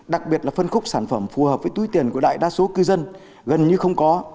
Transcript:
đặc biệt là phân khúc sản phẩm phù hợp với túi tiền của đại đa số cư dân gần như không có